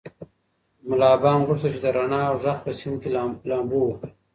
ملا بانګ غوښتل چې د رڼا او غږ په سیند کې لامبو وکړي.